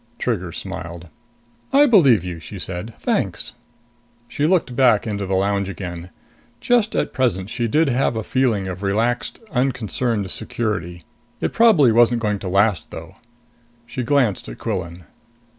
Trigger smiled. "I believe you," she said. "Thanks." She looked back into the lounge again. Just at present she did have a feeling of relaxed, unconcerned security. It probably wasn't going to last, though. She glanced at Quillan.